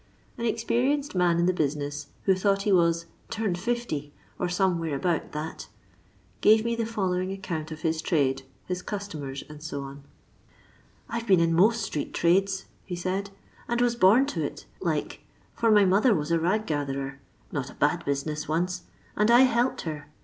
An experienced man in the business, who thought he was " turned 50, or somewhere about that," gave me tha following account of his trade, his customers, &c. " I 've been in most street trades," he said, " and I was bom to it, like, for my mother was a rag I gatherer — ^not a bad business once— and I helped her.